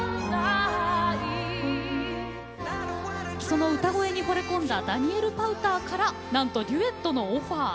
その歌声にほれ込んだダニエル・パウターからなんと、デュエットのオファー。